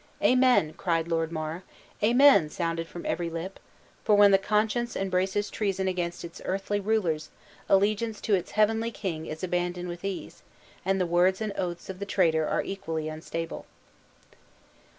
"Amen!" cried Lord Mar. "Amen!" sounded from every lip; for when the conscience embraces treason against its earthly rulers, allegiance to its heavenly King is abandoned with ease; and the words and oaths of the traitor are equally unstable.